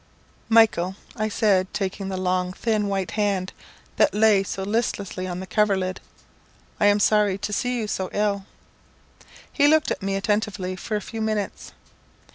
"Michael," I said, taking the long thin white hand that lay so listlessly on the coverlid, "I am sorry to see you so ill." He looked at me attentively for a few minutes.